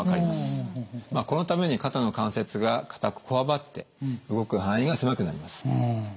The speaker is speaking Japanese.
まあこのために肩の関節が硬くこわばって動く範囲が狭くなります。